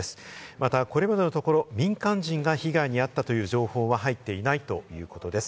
また、これまでのところ民間人が被害に遭ったという情報は入っていないということです。